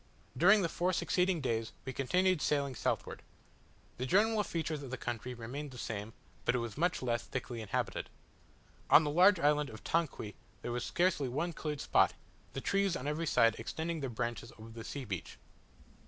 During the four succeeding days we continued sailing southward. The general features of the country remained the same, but it was much less thickly inhabited. On the large island of Tanqui there was scarcely one cleared spot, the trees on every side extending their branches over the sea beach.